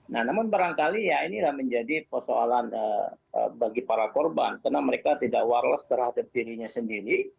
nah namun barangkali ya inilah menjadi persoalan bagi para korban karena mereka tidak warless terhadap dirinya sendiri